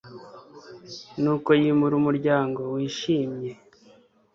Nuko yimura umuryango wishimye